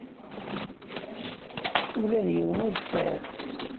Ula d yiwen ur t-sɛiɣ.